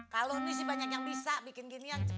kalo ini sih banyak yang bisa bikin begini yang cepet